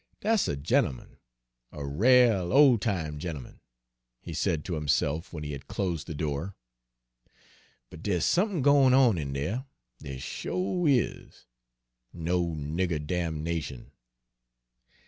"Dat's a gent'eman, a rale ole time gent'eman," he said to himself when he had closed the door. "But dere's somethin' gwine on in dere, dere sho' is! 'No nigger damnation!'